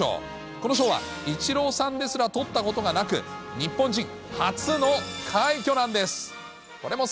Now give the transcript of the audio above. この賞はイチローさんですら取ったことがなく、日本人初の快挙なんです。